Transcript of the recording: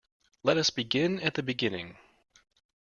Let us begin at the beginning